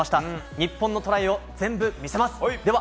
日本のトライを全部見せます。